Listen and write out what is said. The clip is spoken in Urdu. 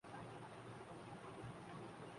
عاصم لڑ کی کو پٹانے کی کو شش کر رہا ہے